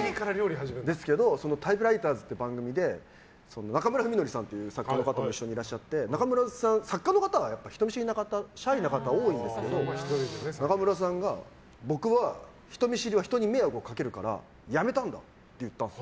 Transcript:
「タイプライターズ」っていう番組で中村文則さんという作家の方がいらっしゃって作家さんは人見知りな方シャイな方が多いんですけど中村さんが、僕は人見知りは人に迷惑をかけるからやめたんだって言ったんです。